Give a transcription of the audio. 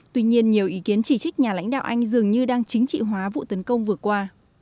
tuy nhiên nhiều ý kiến chỉ trích nhà lãnh đạo anh dường như đang chính trị hóa vụ tấn công vừa qua